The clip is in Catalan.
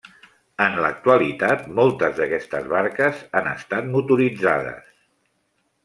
En l'actualitat moltes d'aquestes barques han estat motoritzades.